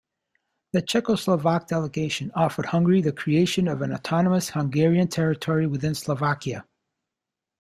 The Czechoslovak delegation offered Hungary the creation of an autonomous Hungarian territory within Slovakia.